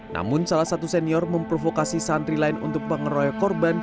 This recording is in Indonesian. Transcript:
namun salah satu senior memprovokasi santri lain untuk pengeroyok korban